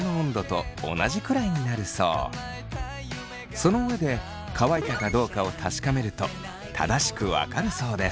その上で乾いたかどうかを確かめると正しく分かるそうです。